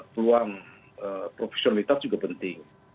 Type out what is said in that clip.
peluang profesionalitas juga penting